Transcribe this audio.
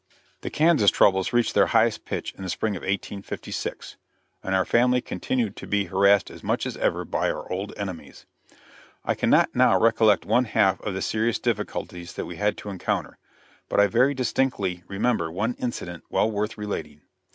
The Kansas troubles reached their highest pitch in the spring of 1856, and our family continued to be harassed as much as ever by our old enemies. I cannot now recollect one half of the serious difficulties that we had to encounter; but I very distinctly remember one incident well worth relating.